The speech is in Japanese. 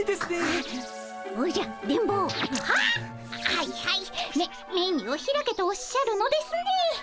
はいはいメメニューを開けとおっしゃるのですね。